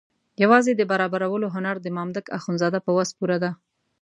یوازې د برابرولو هنر د مامدک اخندزاده په وس پوره ده.